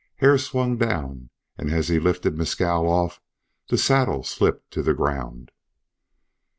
Hare swung down, and as he lifted Mescal off, the saddle slipped to the ground.